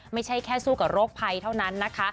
ไม่ใช่แค่สู้กับโรคภัยเท่านั้นนะคะ